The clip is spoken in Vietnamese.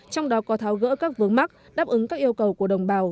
trong đó có tháo gỡ các vướng mắc đáp ứng các yêu cầu của đồng bào